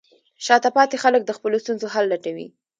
شاته پاتې خلک د خپلو ستونزو حل لټوي.